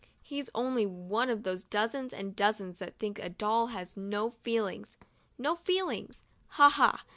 He's only one of those dozens and dozens that think a doll has no feelings. No feelings? Ha, ha!